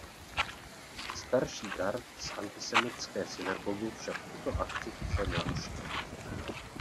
Starší Garth z Antisemitské synagogy však tuto akci chce narušit.